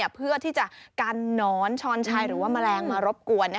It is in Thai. เพื่อที่จะกันหนอนช้อนชายหรือว่าแมลงมารบกวน